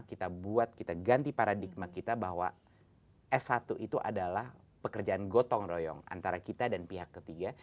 kita buat kita ganti paradigma kita bahwa s satu itu adalah pekerjaan gotong royong antara kita dan pihak ketiga